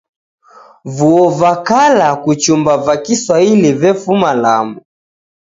Vuo va kala kuchumba va Kiswahili vefuma Lamu